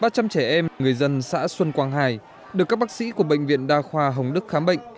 ba trăm linh trẻ em người dân xã xuân quang hai được các bác sĩ của bệnh viện đa khoa hồng đức khám bệnh